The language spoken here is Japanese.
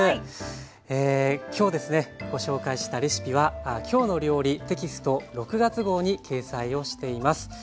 今日ですねご紹介したレシピは「きょうの料理」テキスト６月号に掲載をしています。